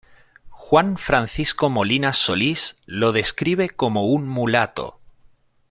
Juan Francisco Molina Solís lo describe como un mulato.